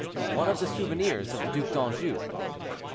ONE OF THE SOUVENIRS OF THE DUC D'ANJOU.